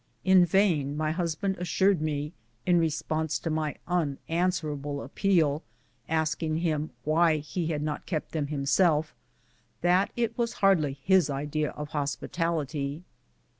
In vain my husband assured me, in response to my unanswerable appeal, asking him why he had not kept them himself, that it was hardly his idea of hospitality.